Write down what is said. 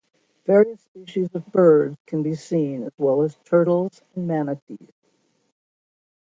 Various species of birds can be seen as well as turtles and manatees.